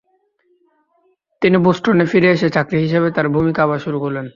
তিনি বোস্টনে ফিরে এসে চাকর হিসাবে তার ভূমিকা আবার শুরু করলেন।